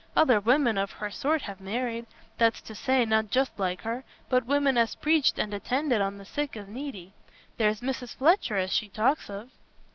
Other women of her sort have married—that's to say, not just like her, but women as preached and attended on the sick and needy. There's Mrs. Fletcher as she talks of."